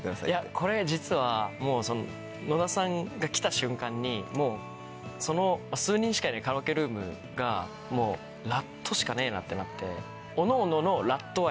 これ実は野田さんが来た瞬間にもうその数人しかいないカラオケルームがもうラッドしかねえなってなって。